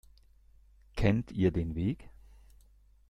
Kennt ihr den Weg?